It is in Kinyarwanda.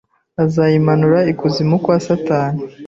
Azayimanura ikuzimu kwa satani